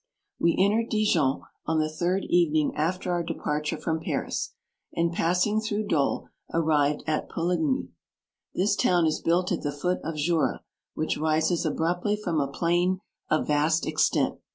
We entered Dijon on the third 88 ^evening after our departure from Paris, and passing through Dole, arrived at Poligny. This town is built at the foot of Jura, which rises abruptly from a plain of vast extent.